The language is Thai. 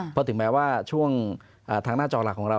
เพราะถึงแม้ว่าช่วงทางหน้าจอหลักของเรา